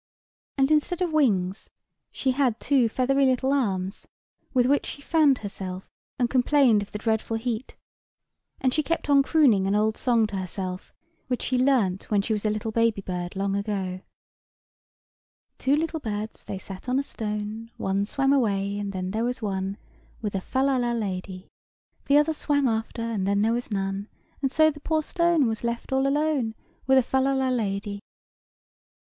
And instead of wings, she had two little feathery arms, with which she fanned herself, and complained of the dreadful heat; and she kept on crooning an old song to herself, which she learnt when she was a little baby bird, long ago— "Two little birds they sat on a stone, One swam away, and then there was one, With a fal lal la lady. "The other swam after, and then there was none, And so the poor stone was left all alone; With a fal lal la lady."